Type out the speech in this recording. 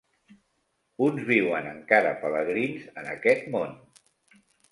Uns viuen encara pelegrins en aquest món.